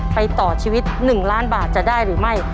ไปต่อชีวิตหนึ่งล้านบาทจะได้หรือไม่